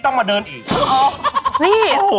มันเป็นอะไร